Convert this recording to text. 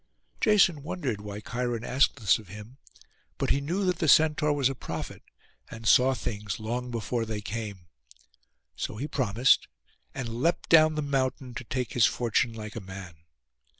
Jason wondered why Cheiron asked this of him; but he knew that the Centaur was a prophet, and saw things long before they came. So he promised, and leapt down the mountain, to take his fortune like a man.